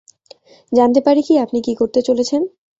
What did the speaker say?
জানতে পারি কি আপনি কি করতে চলেছেন?